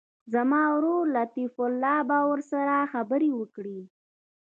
زما ورور لطیف الله به ورسره خبرې وکړي.